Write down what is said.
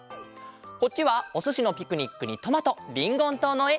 こっちは「おすしのピクニック」に「トマト」「リンゴントウ」のえ。